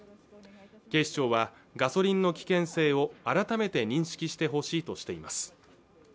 警視庁はガソリンの危険性を改めて認識してほしいとしています